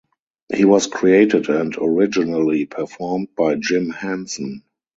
He was created and originally performed by Jim Henson.